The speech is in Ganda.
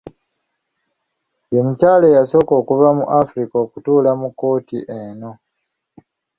Ye mukyala eyasooka okuva mu Africa okutuula mu kkooti eno.